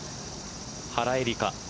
原英莉花。